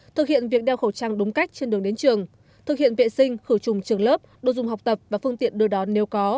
thực hiện việc đeo khẩu trang đúng cách trên đường đến trường thực hiện vệ sinh khử trùng trường lớp đồ dùng học tập và phương tiện đưa đón nếu có